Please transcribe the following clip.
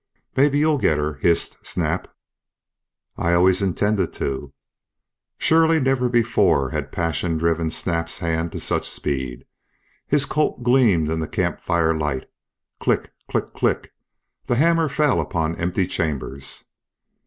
"Maybe you'll get her?" hissed Snap. "I always intended to." Surely never before had passion driven Snap's hand to such speed. His Colt gleamed in the camp fire light. Click! Click! Click! The hammer fell upon empty chambers.